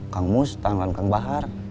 kang mus tanggalan kang bahar